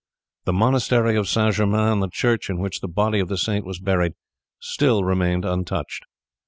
The monastery of St. Germain and the church in which the body of the saint was buried still remained untouched.